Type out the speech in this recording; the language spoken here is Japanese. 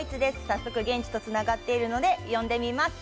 早速現地とつながっているので、呼んでみます。